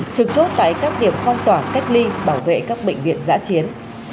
trực chốt tại các điểm phong tỏa cách ly bảo vệ các bệnh viện giã chiến